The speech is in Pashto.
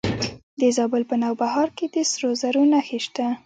د زابل په نوبهار کې د سرو زرو نښې شته.